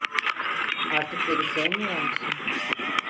Artık beni sevmiyor musun?